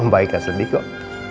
om baik gak sedih kok